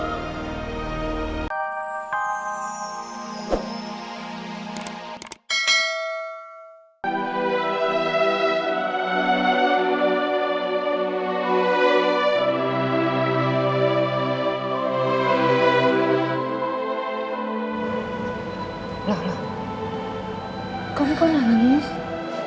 kamu kenapa nangis